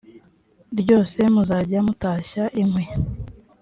ryose muzajya mutashya inkwi